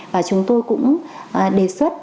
và chúng tôi cũng đề xuất